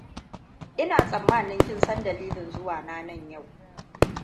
Ina tsammanin kin san dalilin zuwa na nan yau.